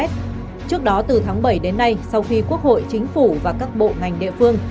trước đó từ tháng bảy đến nay sau khi quốc hội chính phủ và các bộ ngành địa phương